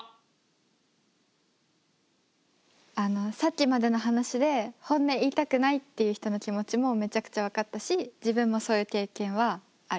あのさっきまでの話で本音言いたくないっていう人の気持ちもめちゃくちゃ分かったし自分もそういう経験はある。